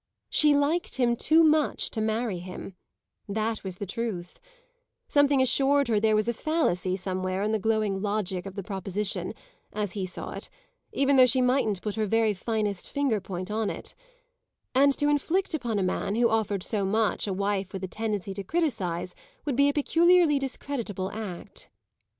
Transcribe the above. She liked him too much to marry him, that was the truth; something assured her there was a fallacy somewhere in the glowing logic of the proposition as he saw it even though she mightn't put her very finest finger point on it; and to inflict upon a man who offered so much a wife with a tendency to criticise would be a peculiarly discreditable act.